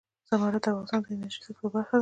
زمرد د افغانستان د انرژۍ سکتور برخه ده.